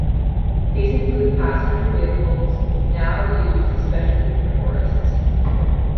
These included passenger vehicles, now used especially for tourists.